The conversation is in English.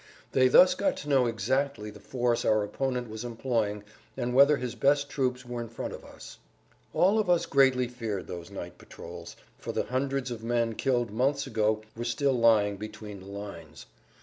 They thus got to know exactly the force our opponent was employing and whether his best troops were in front of us. All of us greatly feared those[Pg 135] night patrols, for the hundreds of men killed months ago were still lying between the lines.